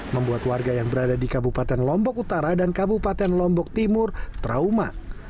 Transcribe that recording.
membuat warga yang berada di kabupaten lombok utara dan kabupaten lombok timur trauma